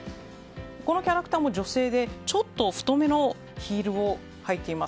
このキャラクターも女性でちょっと太めのヒールを履いています。